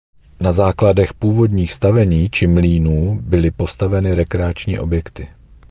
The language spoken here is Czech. Na základech původních stavení či mlýnů byly postaveny rekreační objekty.